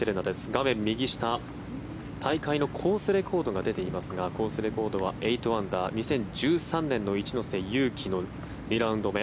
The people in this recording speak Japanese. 画面右下、大会のコースレコードが出ていますがコースレコードは８アンダー２０１３年の一ノ瀬優希の２ラウンド目。